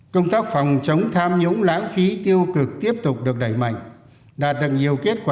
công tác phòng chống tham nhũng lãng phí tiêu diệt